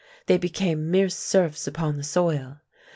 They became mere serfs upon the soil.